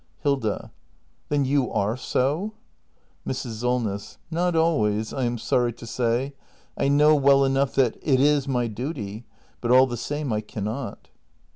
Hilda. Then you are so ? Mrs. Solness. Not always, I am sorry to say. I know well enough that it is my duty — but all the same I cannot.